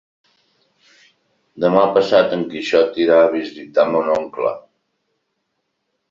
Demà passat en Quixot irà a visitar mon oncle.